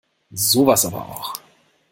Sowas aber auch!